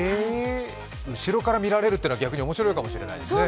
後ろから見られるっていうのは、逆に面白いかもしれないですね。